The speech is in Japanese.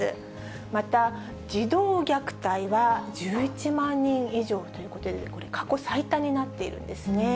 また、児童虐待は１１万人以上ということで、これ、過去最多になっているんですね。